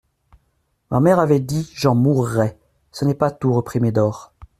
Ma mère avait dit : «J'en mourrai.» Ce n'est pas tout, reprit Médor.